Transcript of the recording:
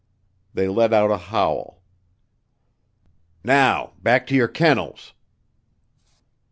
They let out a howl. "Now back to yer kennels!"